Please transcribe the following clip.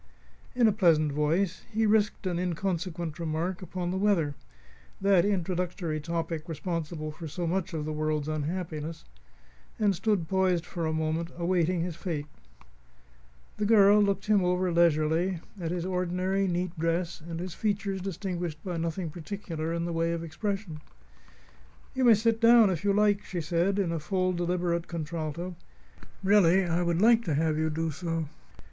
In a pleasant voice, he risked an inconsequent remark upon the weather that introductory topic responsible for so much of the world's unhappiness and stood poised for a moment, awaiting his fate. The girl looked him over leisurely; at his ordinary, neat dress and his features distinguished by nothing particular in the way of expression. "You may sit down, if you like," she said, in a full, deliberate contralto. "Really, I would like to have you do so.